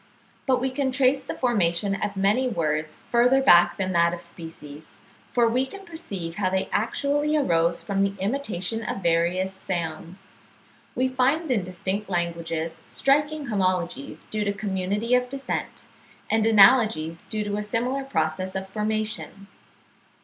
But we can trace the formation of many words further back than that of species, for we can perceive how they actually arose from the imitation of various sounds. We find in distinct languages striking homologies due to community of descent, and analogies due to a similar process of formation.